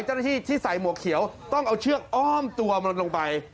เจ้าหน้าที่ที่ใส่หมวกเขียวต้องเอาเชือกอ้อมตัวมันลงไป